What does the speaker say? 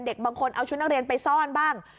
บางคนเอาชุดนักเรียนไปซ่อนบ้าง